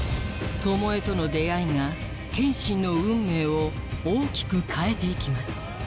巴との出会いが剣心の運命を大きく変えて行きます